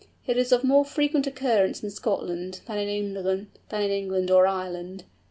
It is of more frequent occurrence in Scotland, than in England or Ireland.